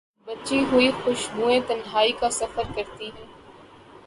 کچھ بچی ہوئی خوشبویں تنہائی کا سفر کرتی ہیں۔